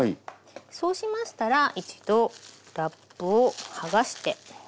そうしましたら一度ラップを剥がして。